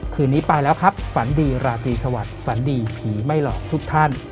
คืนนี้ไปแล้วครับฝันดีราตรีสวัสดิ์ฝันดีผีไม่หลอกทุกท่าน